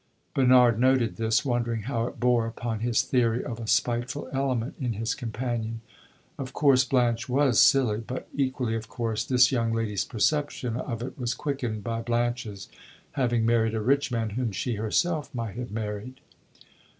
Bernard noted this, wondering how it bore upon his theory of a spiteful element in his companion. Of course Blanche was silly; but, equally of course, this young lady's perception of it was quickened by Blanche's having married a rich man whom she herself might have married.